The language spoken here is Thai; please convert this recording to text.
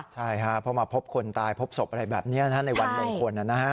ใช่ครับเพราะมาพบคนตายพบศพอะไรแบบนี้ในวันมงคล